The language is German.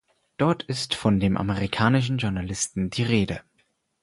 Dort ist von dem amerikanischen Journalisten die Rede.